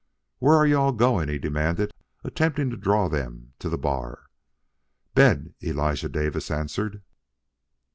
"Where are you all going?" he demanded, attempting to draw them to the bar. "Bed," Elijah Davis answered.